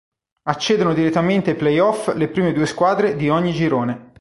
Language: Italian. Accedono direttamente ai playoff le prime due squadre di ogni girone.